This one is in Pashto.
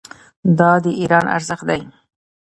دا د ایران ارزښت دی.